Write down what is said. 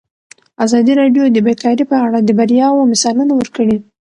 ازادي راډیو د بیکاري په اړه د بریاوو مثالونه ورکړي.